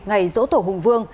ngày dỗ tổ hùng vương